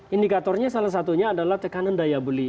indikatornya salah satunya adalah tekanan daya beli